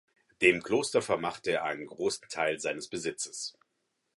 Dem Kloster vermachte er einen großen Teil seines Besitzes.